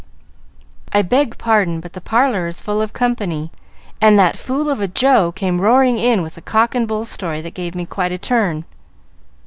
"I beg pardon, but the parlor is full of company, and that fool of a Joe came roaring in with a cock and bull story that gave me quite a turn.